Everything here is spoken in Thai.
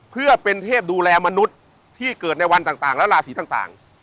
เพื่อเป็นเทพดูแลมนุษย์ที่เกิดในวันต่างและราศีต่าง